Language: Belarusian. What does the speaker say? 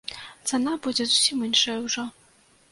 Цана будзе зусім іншая ўжо.